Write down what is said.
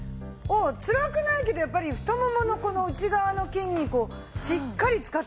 つらくないけどやっぱり太ももの内側の筋肉をしっかり使ってますよね。